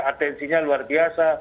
atensinya luar biasa